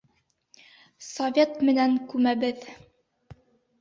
Совет менән күмәбеҙ.